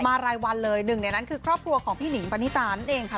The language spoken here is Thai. รายวันเลยหนึ่งในนั้นคือครอบครัวของพี่หนิงปณิตานั่นเองค่ะ